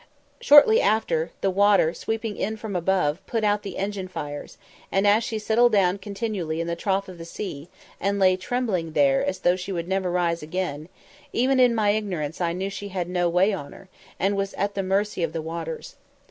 Shortly after, the water, sweeping in from above, put out the engine fires, and, as she settled down continually in the trough of the sea, and lay trembling there as though she would never rise again, even in my ignorance I knew that she had "no way on her" and was at the mercy of the waters.